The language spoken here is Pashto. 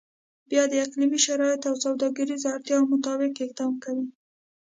بیا د اقلیمي شرایطو او سوداګریزو اړتیاو مطابق اقدام کوي.